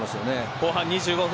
後半２２分。